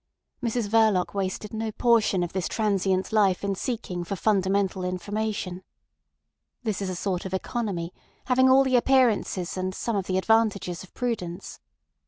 Mrs Verloc wasted no portion of this transient life in seeking for fundamental information. This is a sort of economy having all the appearances and some of the advantages of prudence.